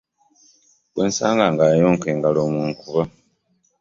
Gwensanga ng'ayonka engalo mukuba.